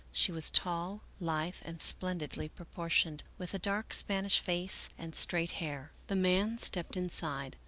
She was tall, lithe, and splendidly proportioned, with a dark Spanish face and straight hair. The man stepped inside.